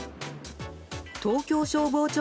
東京消防庁